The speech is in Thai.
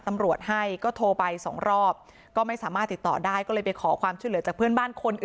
ตำรวจให้ก็โทรไปสองรอบก็ไม่สามารถติดต่อได้ก็เลยไปขอความช่วยเหลือจากเพื่อนบ้านคนอื่น